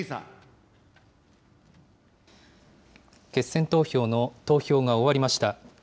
決選投票の投票が終わりました。